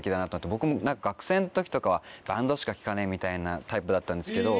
僕も学生の時とかはバンドしか聴かねえみたいなタイプだったんですけど。